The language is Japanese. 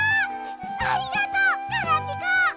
ありがとうガラピコ！